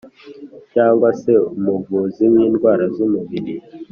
cyangwa se umuvuzi w’indwara z’umubiri